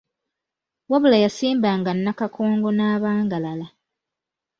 Wabula yasimbanga nakakongo n'abangalala.